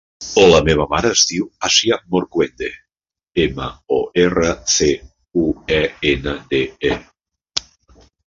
La meva mare es diu Asia Morcuende: ema, o, erra, ce, u, e, ena, de, e.